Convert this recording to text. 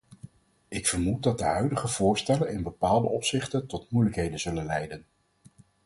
Ik vermoed dat de huidige voorstellen in bepaalde opzichten tot moeilijkheden zullen leiden.